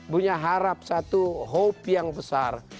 punya harap satu hope yang besar